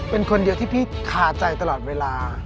เป็นคนเดียวที่พี่คาใจตลอดเวลา